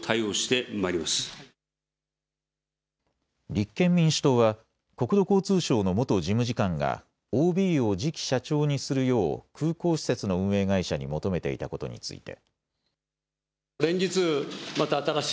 立憲民主党は国土交通省の元事務次官がＯＢを次期社長にするよう空港施設の運営会社に求めていたことについて。